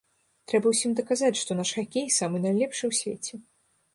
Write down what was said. Трэба ўсім даказаць, што наш хакей самы найлепшы ў свеце.